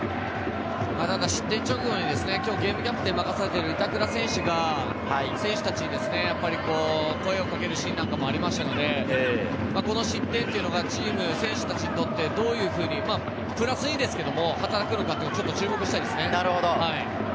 失点直後にゲームキャプテンを任されている板倉選手が選手たちに声をかけるシーンなんかもありましたのでこの失点がチーム、選手達にとって、どういうふうにプラスにですけど、働くのか注目したいですね。